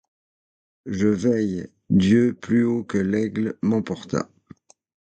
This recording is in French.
Je veille : Dieu plus haut que l’aigle m’emporta.